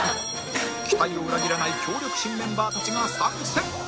期待を裏切らない強力新メンバーたちが参戦